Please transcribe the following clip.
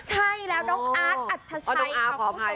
ใช่แล้วน้องอาร์ทอัตทชัย